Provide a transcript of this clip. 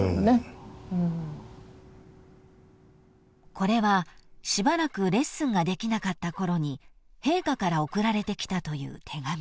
［これはしばらくレッスンができなかったころに陛下から送られてきたという手紙］